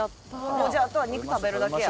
じゃああとは肉食べるだけや。